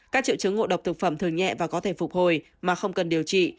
các triệu chứng ngộ độc thực phẩm thường nhẹ và có thể phục hồi mà không cần điều trị